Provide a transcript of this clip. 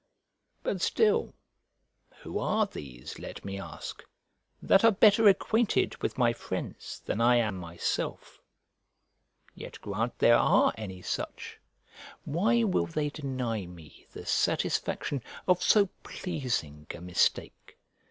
But still, who are these, let me ask, that are better acquainted with my friends than I am myself? Yet grant there are any such, why will they deny me the satisfaction of so pleasing a mistake?